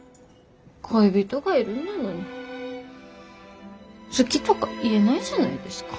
恋人がいるんだのに好きとか言えないじゃないですか。